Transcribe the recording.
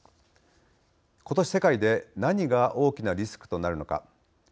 ことし、世界で何が大きなリスクとなるのか。